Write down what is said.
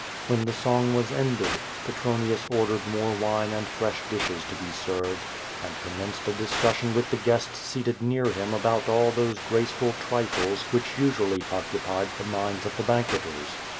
When the song was ended, Petronius ordered more wine and fresh dishes to be served, and commenced a discussion with the guests seated near him about all those graceful trifles which usually occupied the minds of the banqueters.